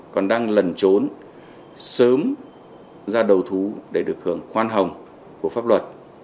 còn đang lẩn trốn sớm ra đầu thú để được hưởng khoan hồng của pháp luật